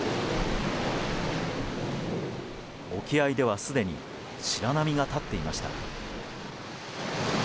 沖合では、すでに白波が立っていました。